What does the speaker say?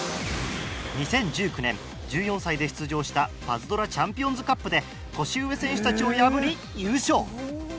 ２０１９年１４歳で出場したパズドラチャンピオンズカップで年上選手たちを破り優勝。